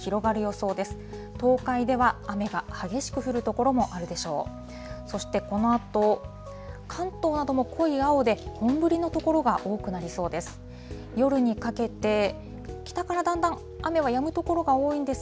そしてこのあと、関東なども濃い青で、本降りの所が多くなりそうです。